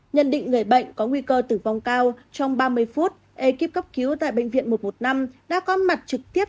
nhận định người bệnh có nguy cơ tử vong cao trong ba mươi phút ekip cấp cứu tại bệnh viện một trăm một mươi năm đã có mặt trực tiếp